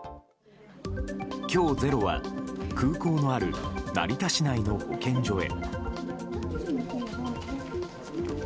今日「ｚｅｒｏ」は空港のある成田市内の保健所へ。